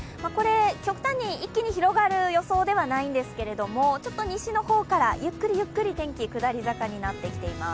極端に一気に広がる予想ではないんですが西の方からゆっくりゆっくり天気、下り坂になってきています。